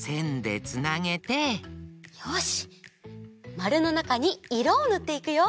マルのなかにいろをぬっていくよ。